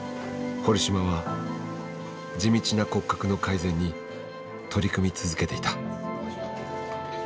堀島は地道な骨格の改善に取り組み続けていた。